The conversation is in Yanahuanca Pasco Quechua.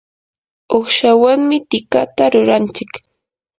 uqshawanmi tikata rurantsik.